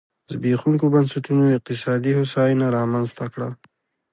زبېښونکو بنسټونو اقتصادي هوساینه رامنځته کړه.